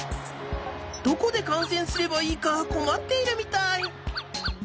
どこでかんせんすればいいかこまっているみたい。